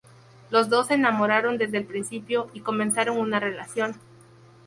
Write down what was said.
Los dos se enamoraron desde el principio y comenzaron una relación.